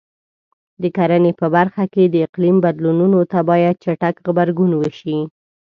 د کرنې په برخه کې د اقلیم بدلونونو ته باید چټک غبرګون وشي.